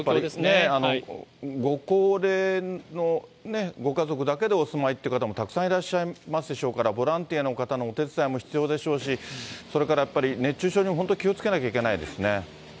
やっぱりご高齢のご家族だけでお住まいって方もたくさんいらっしゃいますでしょうから、ボランティアの方のお手伝いも必要でしょうし、それからやっぱり熱中症に本当に気をつけなきゃいけないでしょう